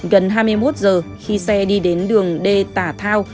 gần hai mươi một giờ khi xe đi đến đường d tả thao